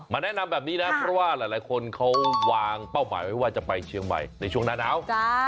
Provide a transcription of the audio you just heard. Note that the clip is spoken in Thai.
แนะนำแบบนี้นะเพราะว่าหลายคนเขาวางเป้าหมายไว้ว่าจะไปเชียงใหม่ในช่วงหน้าหนาว